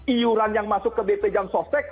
iuran yang masuk ke bp jam sostek